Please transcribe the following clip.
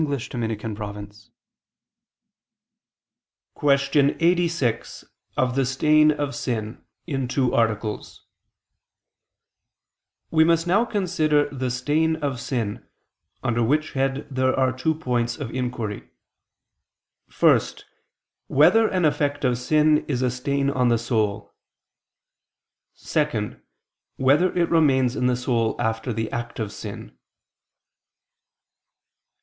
________________________ QUESTION 86 OF THE STAIN OF SIN (In Two Articles) We must now consider the stain of sin; under which head there are two points of inquiry: (1) Whether an effect of sin is a stain on the soul? (2) Whether it remains in the soul after the act of sin?